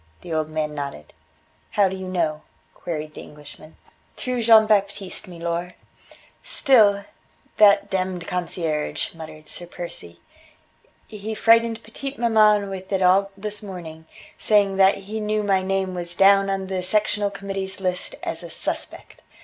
The old man nodded. "How do you know?" queried the Englishman. "Through Jean Baptiste, milor." "Still that demmed concierge," muttered Sir Percy. "He frightened petite maman with it all this morning, saying that he knew my name was down on the Sectional Committee's list as a 'suspect.'